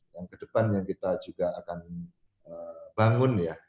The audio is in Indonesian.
yang kedepan yang kita juga akan bangun ya